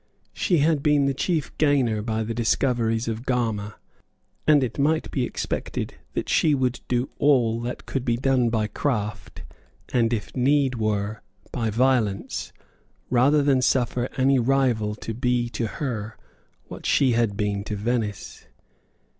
She had been the chief gainer by the discoveries of Gama; and it might be expected that she would do all that could be done by craft, and, if need were, by violence, rather than suffer any rival to be to her what she had been to Venice.